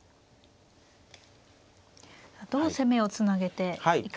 どう攻めをつなげていくか。